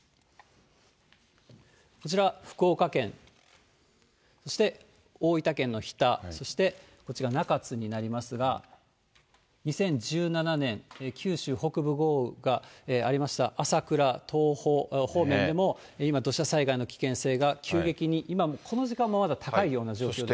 こちら福岡県、そして大分県の日田、そしてこっちが中津になりますが、２０１７年、九州北部豪雨がありました朝倉、とうほう方面でも今、土砂災害の危険性が急激に今もこの時間もまだ高いような状況です。